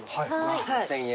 １，０００円。